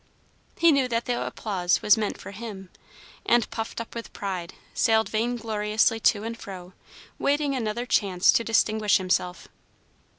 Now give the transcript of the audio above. He knew that the applause was meant for him, and, puffed up with pride, sailed vain gloriously to and fro, waiting another chance to distinguish himself.